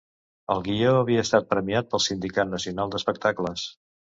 El guió havia estat premiat pel Sindicat Nacional d'Espectacles.